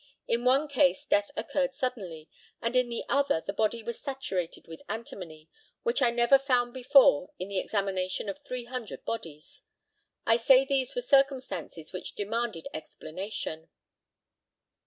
In one case death occurred suddenly, and in the other the body was saturated with antimony, which I never found before in the examination of 300 bodies. I say these were circumstances which demanded explanation.